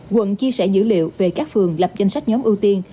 quận chia sẻ dữ liệu về các phường lập danh sách nhóm ưu tiên